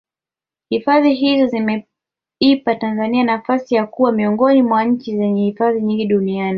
hifadhi hizo zimeipa tanzania nafasi ya kuwa miongoni mwa nchi zenye hifadhi nyingi duniani